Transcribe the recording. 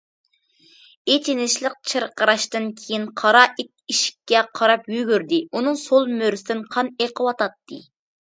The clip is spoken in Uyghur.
ئېچىنىشلىق چىرقىراشتىن كېيىن قارا ئىت ئىشىككە قاراپ يۈگۈردى، ئۇنىڭ سول مۈرىسىدىن قان ئېقىۋاتاتتى.